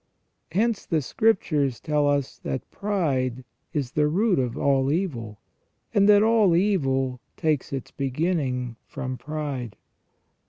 Hence the Scriptures tell us that pride is the root of all evil, and that all evil takes its beginning from pride.